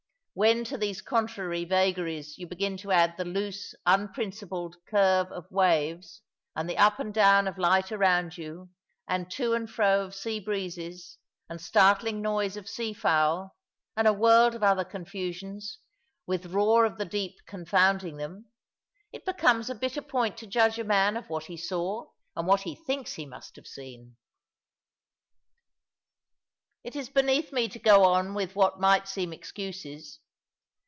When to these contrary vagaries you begin to add the loose unprincipled curve of waves, and the up and down of light around you, and to and fro of sea breezes, and startling noise of sea fowl, and a world of other confusions, with roar of the deep confounding them it becomes a bitter point to judge a man of what he saw, and what he thinks he must have seen. It is beneath me to go on with what might seem excuses.